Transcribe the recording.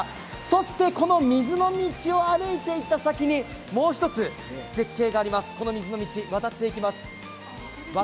そしてこの水の道を歩いていった先にもう一つ、絶景があります、この水の道、渡ってみます。